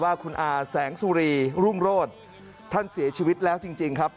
ว่าคุณอาแสงสุรีรุ่งโรธท่านเสียชีวิตแล้วจริงครับ